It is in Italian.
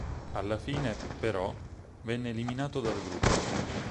Alla fine, però, venne eliminato dal gruppo.